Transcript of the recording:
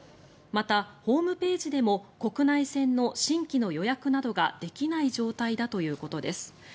また、ホームページでも国内線の新規の予約などができない状態だということです。